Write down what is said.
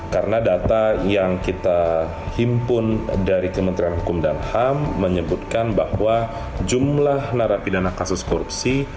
karena data yang kita himpun dari kementerian hukum dan ham menyebutkan bahwa jumlah narapidana kasus korupsi